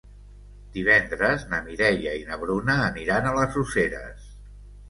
Divendres na Mireia i na Bruna aniran a les Useres.